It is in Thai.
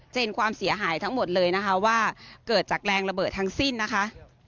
เห็นความเสียหายทั้งหมดเลยนะคะว่าเกิดจากแรงระเบิดทั้งสิ้นนะคะ